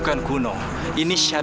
jangan main kasar